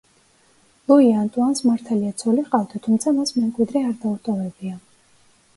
ლუი ანტუანს მართალია ცოლი ჰყავდა, თუმცა მას მემკვიდრე არ დაუტოვებია.